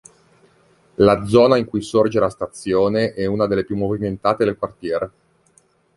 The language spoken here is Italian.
La zona in cui sorge la stazione è una delle più movimentate del quartiere.